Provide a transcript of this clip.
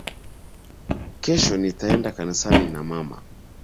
Kesho nitaenda kanisa na mama